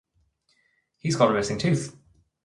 He's got a missing tooth!